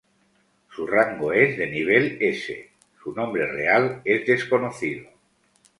Su Rango es de nivel S. Su nombre real es desconocido.